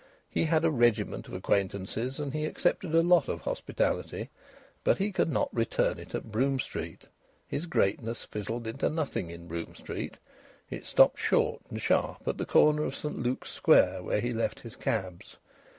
He had a regiment of acquaintances and he accepted a lot of hospitality, but he could not return it at Brougham Street. His greatness fizzled into nothing in Brougham Street. It stopped short and sharp at the corner of St Luke's Square, where he left his cabs.